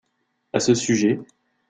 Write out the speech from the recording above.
À ce sujet.